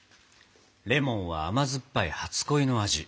レモンは甘酸っぱい初恋の味